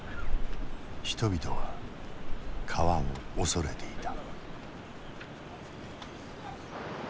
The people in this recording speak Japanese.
人々は川を恐れていた。